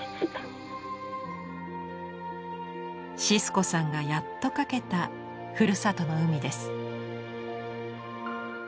シスコさんがやっと描けた「ふるさとの海」です。